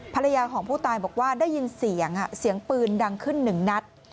ภรรยาของผู้ตายบอกว่าได้ยินเสียงเสียงปืนดังขึ้นหนึ่งนัด